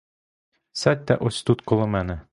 Сядьте ось тут коло мене!